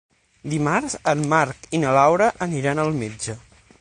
Dimarts en Marc i na Laura aniran al metge.